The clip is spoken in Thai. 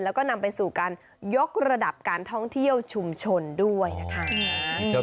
แล้วก็นำไปสู่การยกระดับการท่องเที่ยวชุมชนด้วยนะคะ